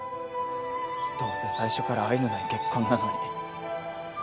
どうせ最初から愛のない結婚なのに。